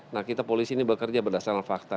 nah kita polisi ini bekerja berdasarkan fakta